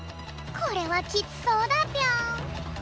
これはきつそうだぴょん。